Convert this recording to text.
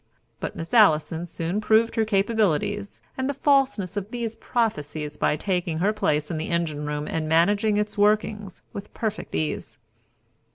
But Miss Allison soon proved her capabilities and the falseness of these prophecies by taking her place in the engine room and managing its workings with perfect ease.